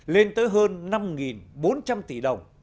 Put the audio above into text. lên tới hơn năm bốn trăm linh tỷ đồng